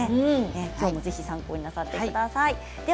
きょうもぜひ参考になさってください。